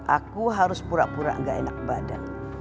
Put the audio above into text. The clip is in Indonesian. aku harus pura pura enggak enak badan